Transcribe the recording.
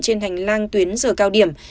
trên hành lang tuyến giờ cao điểm